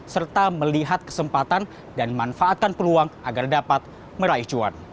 serta melihat kesempatan dan manfaatkan peluang agar dapat meraih cuan